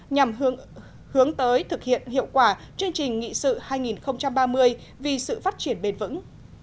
nhằm hướng tới thực hiện hiệu quả chương trình nghị sự hai nghìn ba mươi vì sự phát triển bền vững